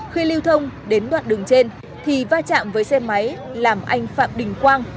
khi lưu thông đến đoạn đường trên thì va chạm với xe máy làm anh phạm đình quang